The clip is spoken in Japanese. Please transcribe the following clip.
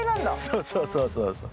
そうそうそうそうそう。